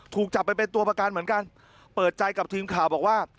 ถูกจับไปเป็นตัวประกันเหมือนกันเปิดใจกับทีมข่าวบอกว่า